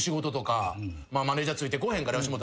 マネジャーついてこおへんから吉本なんて。